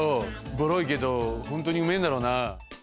ボロいけどほんとうにうめえんだろな？